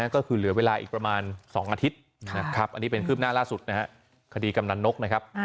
ก็คือเหลือเวลาอีกประมาณ๒อาทิตย์อันนี้เป็นคืบหน้าล่าสุดคดีกำหนันนก